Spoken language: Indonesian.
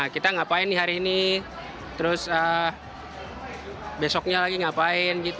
kita ngapain di hari ini terus besoknya lagi ngapain gitu